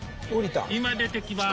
今出てきます。